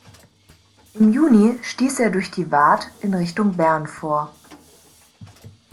Im Juni stiess er durch die Waadt in Richtung Bern vor.